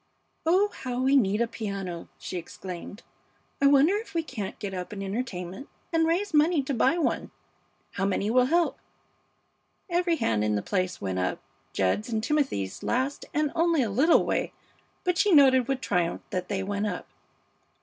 "Oh, how we need a piano!" she exclaimed. "I wonder if we can't get up an entertainment and raise money to buy one. How many will help?" Every hand in the place went up, Jed's and Timothy's last and only a little way, but she noted with triumph that they went up.